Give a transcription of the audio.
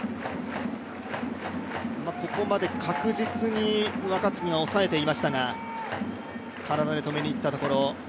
ここまで確実に若月が抑えていましたが体で止めに行ったところ。